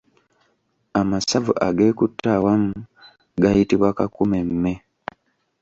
Amasavu ageekutte awamu gayitibwa Kakumemme.